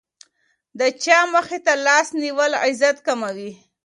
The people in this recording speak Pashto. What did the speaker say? د چا مخې ته لاس نیول عزت کموي.